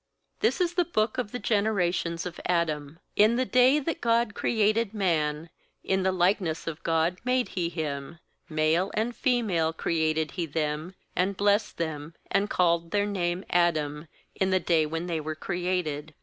£ This is the book of the genera tions of Adam. In the day that God created man, in the likeness of God made He him; ^ale and female created He them, and blessed them, and called their name Adam, in the day when they were created.